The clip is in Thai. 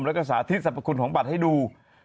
แล้วก็สาธิตสรรพคุณของบัตรให้ดู